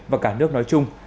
và cả nước nói chung